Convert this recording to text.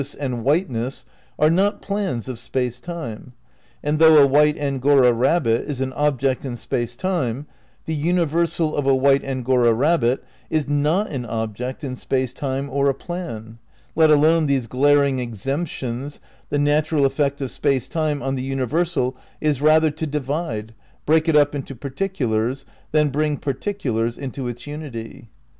182 THE NEW IDEALISM v and whiteness are not plans of space time ; and though a white Angora rabbit is an object in Space Time, the universal of a white Angora rabbit is not an object in Space Time or a plan — let alone these glaring excep tions, the natural effect of Space Time on the universal is rather to divide, break it up into particulars, than bring particulars into its unity.